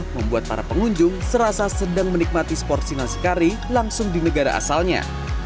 membuat para pengunjung serasa sedang menikmati seporsi nasi kari langsung di negara asalnya